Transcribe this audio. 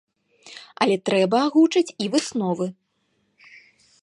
Але трэба агучыць і высновы.